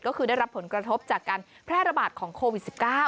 ก็คือได้รับผลกระทบจากการแพร่ระบาดของโควิด๑๙